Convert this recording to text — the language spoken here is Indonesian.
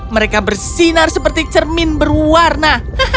mereka bersinar seperti cermin berwarna